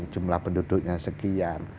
jumlah penduduknya sekian